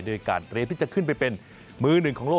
โดยการเตรียมที่จะขึ้นไปเป็นมือหนึ่งของโลก